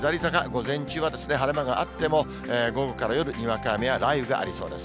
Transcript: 午前中は晴れ間があっても、午後から夜、にわか雨や雷雨がありそうです。